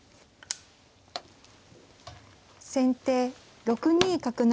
先手６二角成。